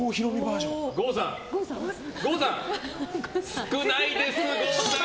少ないです、郷さん